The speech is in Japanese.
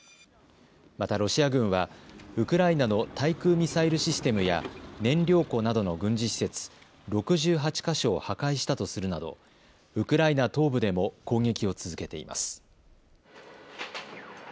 またロシア軍はウクライナの対空ミサイルシステムや燃料庫などの軍事施設６８か所を破壊したとするなどウクライナ東部でも攻撃を続けています。